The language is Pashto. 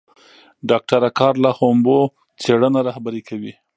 ډاکټره کارلا هومبو څېړنه رهبري کوي.